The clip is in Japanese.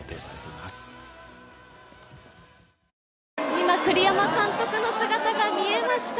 今、栗山監督の姿が見えました。